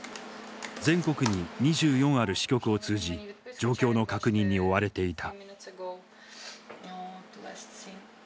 全国に２４ある支局を通じ状況の確認に追われていた。